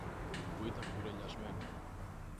που ήταν κουρελιασμένα